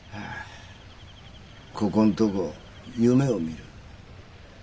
ここんとこ夢を見る。